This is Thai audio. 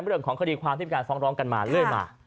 เรื่องของคดีความที่มีการฟ้องร้องกันมาเรื่อยมา